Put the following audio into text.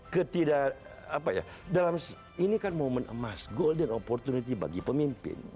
ketidak apa ya dalam ini kan momen emas golden opportunity bagi pemimpin